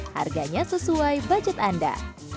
harganya sesuai budget anda